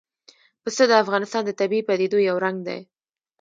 پسه د افغانستان د طبیعي پدیدو یو رنګ دی.